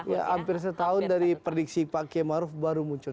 ya hampir setahun dari prediksi pak k maruf baru muncul